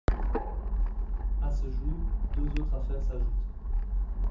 A ce jour, deux autres affaires s'ajoutent.